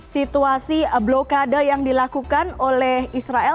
situasi blokade yang dilakukan oleh israel